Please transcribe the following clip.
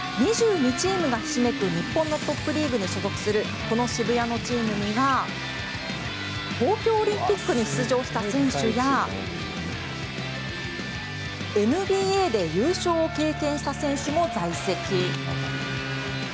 ２２チームがひしめく日本のトップリーグに所属するこの渋谷のチームには東京オリンピックに出場した選手やＮＢＡで優勝を経験した選手も在籍。